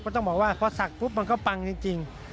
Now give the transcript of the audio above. ต้องบอกว่าพอศักดิ์ปุ๊บมันก็ปังจริง